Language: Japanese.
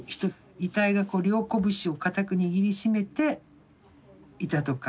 「遺体が両こぶしを固く握りしめていた」とか。